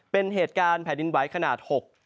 เป็นเหตุการณ์แผ่นดินไหวขนาด๖